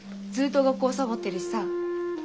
ずっと学校サボってるしさあ。